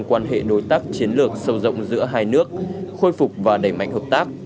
quan hệ đối tác chiến lược sâu rộng giữa hai nước khôi phục và đẩy mạnh hợp tác